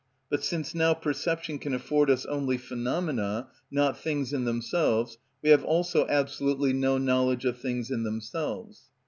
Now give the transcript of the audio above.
But since now perception can afford us only phenomena, not things in themselves, we have also absolutely no knowledge of things in themselves."